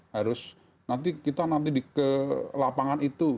harus nanti kita nanti ke lapangan itu